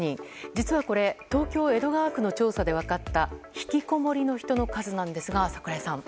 実はこれ東京・江戸川区の調査で分かったひきこもりの人の数なんですが櫻井さん。